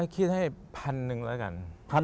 คิดให้พันหนึ่งแล้วกัน